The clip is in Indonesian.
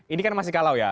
ini kan masih kalau ya